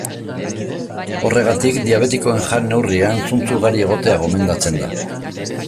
Horregatik, diabetikoen jan-neurrian zuntz ugari egotea gomendatzen da.